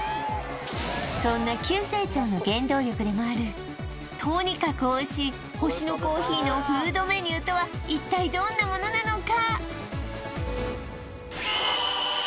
そんな急成長の原動力でもあるとにかくおいしい星乃珈琲のフードメニューとは一体どんなものなのか？